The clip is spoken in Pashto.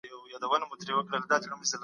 د مشروطه پاچاهۍ اصلي ځانګړتياوې څه دي؟